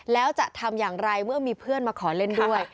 แล้วจะทำอย่างไรเมื่อมีเพื่อนมาขอเล่นด้วย